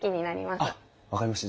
あっ分かりました。